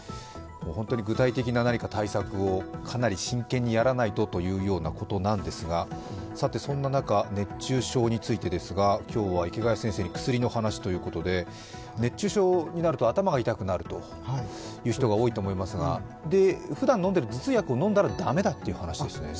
本当に具体的な何か対策をかなり真剣にやらないとということなんですがさてそんな中、熱中症についてですが今日は池谷先生に薬の話ということで、熱中症になると頭が痛くなるという人が多いと思いますがふだん飲んでいる頭痛薬を飲んだら駄目だという話ですね。